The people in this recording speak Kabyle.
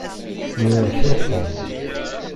Nwiɣ truḥeḍ.